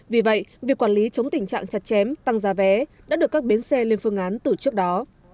vì vậy việc quản lý chống tình trạng chặt chém tăng giá vé đã được các bến xe lên phương án từ trước đó